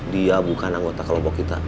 dia bukan anggota kelompok kita